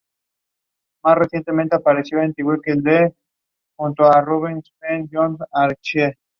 Se encuentra en la mayor parte de la Europa Occidental.